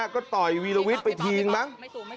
ก็ต่อยวีรวิทย์ไปทีนึงมั้ง